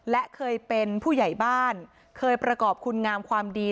และเคยเป็นผู้ใหญ่บ้านเคยประกอบคุณงามความดี